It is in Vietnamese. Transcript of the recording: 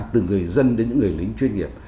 từ người dân đến những người lính chuyên nghiệp